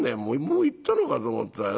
もう行ったのかと思った。